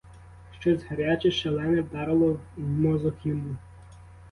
Щось гаряче, шалене вдарило в мозок йому.